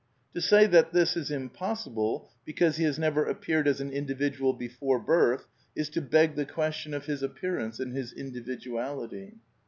To say that this is impossible, be cause he has never appeared as an individual before birth, is to beg the question of his appearance and his individu ality.